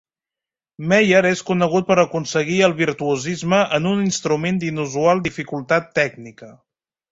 Meyer és conegut per aconseguir el virtuosisme en un instrument d'inusual dificultat tècnica.